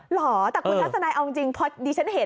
หรอแต่คุณลักษณ์ในเอาจริงเพราะดีฉันเห็น